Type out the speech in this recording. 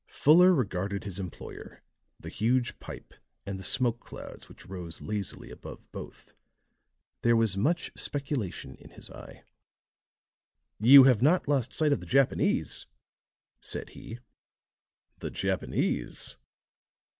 Fuller regarded his employer, the huge pipe and the smoke clouds which rose lazily above both; there was much speculation in his eye. "You have not lost sight of the Japanese?" said he. "The Japanese!"